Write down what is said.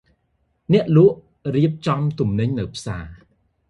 អ្នកលក់រៀបចំទំនិញនៅផ្សារ។